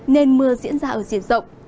nên mưa diễn ra ở diện rộng